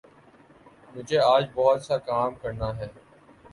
مجھے آج بہت سا کام کرنا ہے